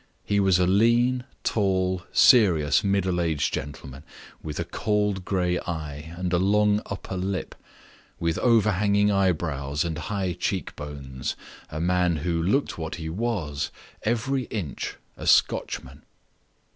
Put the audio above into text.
He was a lean, tall, serious, middle aged man, with a cold gray eye and a long upper lip, with overhanging eyebrows and high cheek bones; a man who looked what he was every inch a Scotchman.